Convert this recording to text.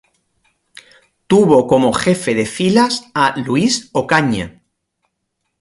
Tuvo como jefe de filas a Luis Ocaña.